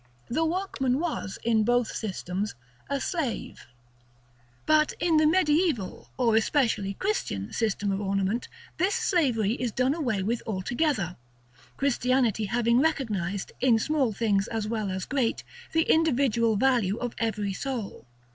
The workman was, in both systems, a slave. § X. But in the mediæval, or especially Christian, system of ornament, this slavery is done away with altogether; Christianity having recognized, in small things as well as great, the individual value of every soul.